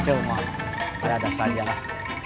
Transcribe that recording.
jelma saya ada saja lah